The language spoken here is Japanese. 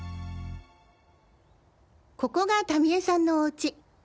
ここがタミ江さんのおうち。